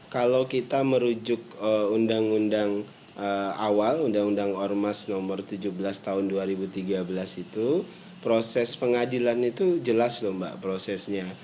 kalau kita merujuk undang undang awal undang undang ormas nomor tujuh belas tahun dua ribu tiga belas itu proses pengadilan itu jelas lho mbak prosesnya